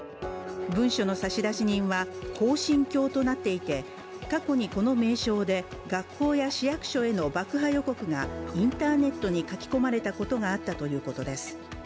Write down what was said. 文書の差出人は、恒心教となっていて過去にこの名称で学校や市役所への爆破予告がインターネットに書き込まれたことがあったということです。